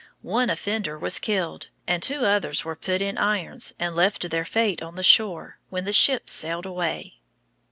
One offender was killed, and two others were put in irons and left to their fate on the shore when the ships sailed away.